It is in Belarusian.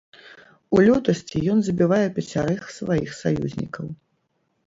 У лютасці ён забівае пяцярых сваіх саюзнікаў.